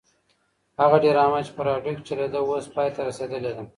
هغه ډرامه چې په راډیو کې چلېده اوس پای ته رسېدلې ده.